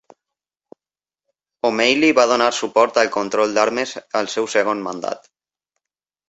O'Malley va donar suport al control d'armes al seu segon mandat.